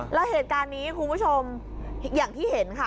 แล้วเหตุการณ์นี้คุณผู้ชมอย่างที่เห็นค่ะ